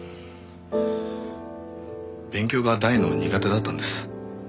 勉強が大の苦手だったんです。